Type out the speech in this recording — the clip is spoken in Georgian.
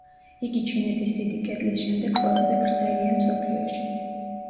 იგი ჩინეთის დიდი კედლის შემდეგ ყველაზე გრძელია მსოფლიოში.